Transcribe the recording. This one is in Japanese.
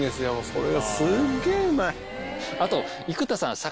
それがすげぇうまい！